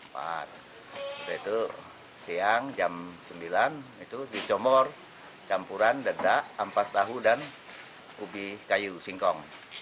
pada itu siang jam sembilan itu dicomor campuran dedak ampas tahu dan ubi kayu singkong